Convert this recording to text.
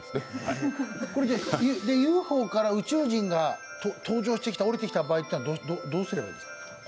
ＵＦＯから宇宙人が登場してきた、降りてきた場合にはどうしたらいいんですか？